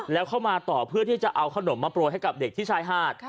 แล้วเข้ามาต่อเพื่อที่จะเอาขนมมาโปรยให้กับเด็กที่ชายหาด